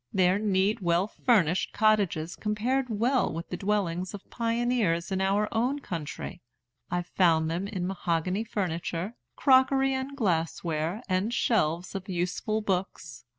Their neat, well furnished cottages compared well with the dwellings of pioneers in our own country. I found in them mahogany furniture, crockery and glass ware, and shelves of useful books.